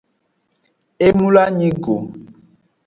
E mloanyi go.